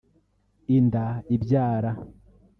inda ibyara